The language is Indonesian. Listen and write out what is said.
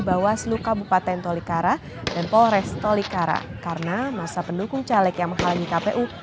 bawaslu kabupaten tolikara dan polres tolikara karena masa pendukung caleg yang menghalangi kpu